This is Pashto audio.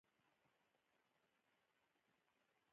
بي خونده ونې پاتي شوې، خلک يو بل خوا ور څخه